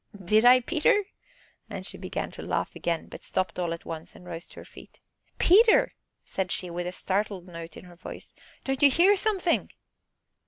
"Did I, Peter?" and she began to laugh again, but stopped all at once and rose to her feet. "Peter!" said she, with a startled note in her voice, "don't you hear something?"